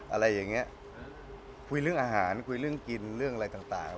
อะไรอย่างเงี้ยคุยเรื่องอาหารคุยเรื่องกินเรื่องอะไรต่าง